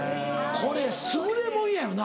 これ優れもんやよな。